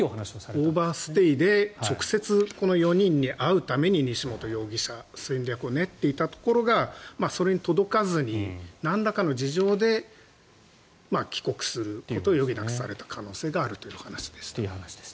オーバーステイでこの４人に直接会うために西本容疑者が戦略を練っていたところがそれに届かずになんらかの事情で帰国することを余儀なくされた可能性があるというお話でした。